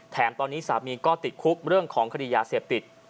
ตอนนี้สามีก็ติดคุกเรื่องของคดียาเสพติด